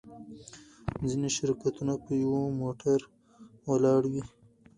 ځینې شرکتونه په یوه موټر ولاړ وي.